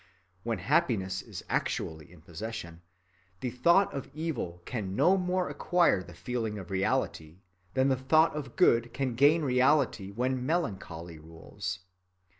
When happiness is actually in possession, the thought of evil can no more acquire the feeling of reality than the thought of good can gain reality when melancholy rules.